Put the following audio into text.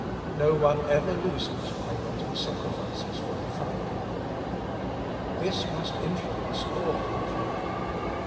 No one ever loses by what he sacrifices for the Father. This must influence all our prayer.